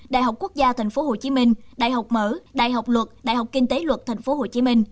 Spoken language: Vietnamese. đại học quốc gia tp hcm đại học mở đại học luật đại học kinh tế luật tp hcm